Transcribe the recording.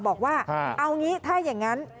บอกว่าเอางี้ถ้าอย่างนั้น